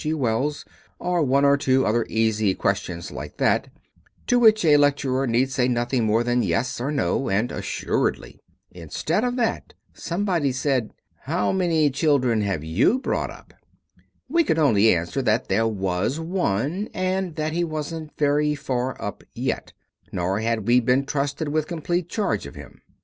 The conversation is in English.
G. Wells, or one or two other easy questions like that, to which a lecturer need say nothing more than "yes" or "no" or "assuredly." Instead of that somebody said, "How many children have you brought up?" We could only answer that there was one, and that he wasn't very far up yet, nor had we been trusted with complete charge of him.